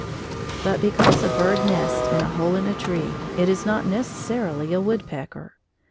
But because a bird nests in a hole in a tree, it is not necessarily a woodpecker.